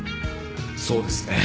そうですね